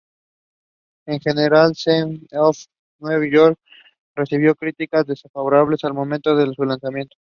En general, "Slaves of New York" recibió críticas desfavorables al momento de su lanzamiento.